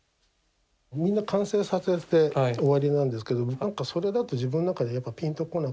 みんな完成させて終わりなんですけどなんかそれだと自分の中でやっぱぴんとこなくて。